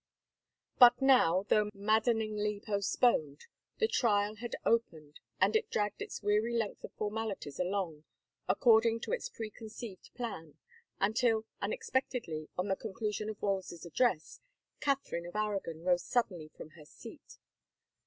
But now, though maddeningly postponed, the trial had opened and it dragged its weary length of formalities along, according to its preconceived plan, until unexpect edly, on the conclusion of Wolsey's address, Catherine of Aragon rose suddenly from her seat.